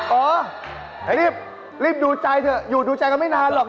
เออให้รีบดูใจเถอะอยู่ดูใจกันไม่นานหรอก